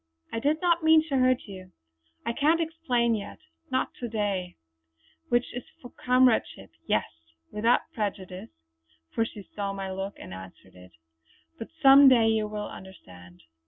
I did not mean to hurt you. I can't explain yet; not to day, which is for comradeship only. Yes without prejudice" for she saw my look and answered it "But some day you will understand."